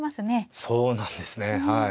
そうなんですねはい。